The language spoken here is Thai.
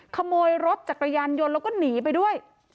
ขโมยรถจักรยานยนต์แล้วก็หนีไปด้วย